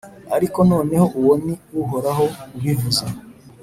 Ariko noneho uwo ni Uhoraho ubivuze